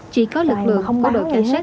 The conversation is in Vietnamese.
chỉ có lực lượng của đội cảnh sát